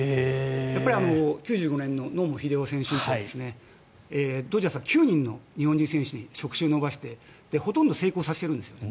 やっぱり９５年の野茂英雄選手からドジャースは９人の日本人選手に触手を伸ばしてほとんど成功させてるんですね。